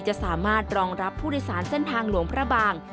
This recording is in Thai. จะสามารถรองรับผู้โดยสารเส้นทางหลวงพระบาง